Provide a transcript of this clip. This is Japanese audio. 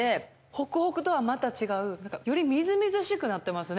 ホクホクとはまた違うよりみずみずしくなってますね